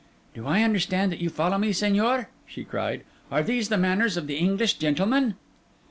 'Do I understand that you follow me, Señor?' she cried. 'Are these the manners of the English gentleman?